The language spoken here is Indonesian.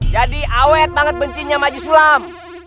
jadi awet banget bencinya maji sulam